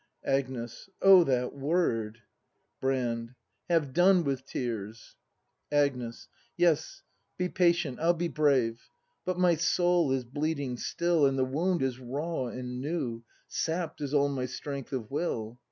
Agnes. O that word ! Brand. Have done with tears. ACT IV] BRAND Agnes. Yes— be patient— I'll be brave! But my soul is bleeding still. And the wound is raw and new — Sapp'd is all my strength of will.